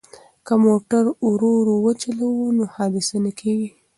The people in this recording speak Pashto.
که موټر ورو وچلوو نو حادثه نه کیږي.